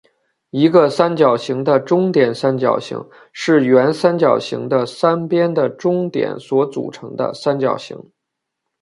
一个三角形的中点三角形是原三角形的三边的中点所组成的三角形。